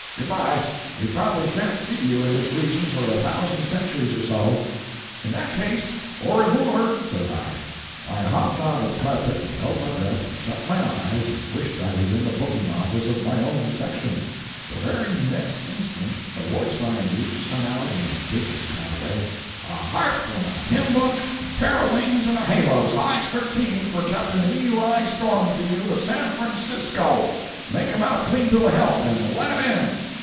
Good by; we probably sha'n't see you in this region for a thousand centuries or so." "In that case, o revoor," says I. I hopped onto the carpet and held my breath and shut my eyes and wished I was in the booking office of my own section. The very next instant a voice I knew sung out in a business kind of a way— "A harp and a hymn book, pair of wings and a halo, size 13, for Cap'n Eli Stormfield, of San Francisco!—make him out a clean bill of health, and let him in."